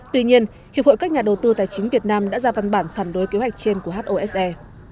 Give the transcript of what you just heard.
tuy nhiên hiệp hội các nhà đầu tư tài chính việt nam đã ra văn bản phản đối kế hoạch trên của hose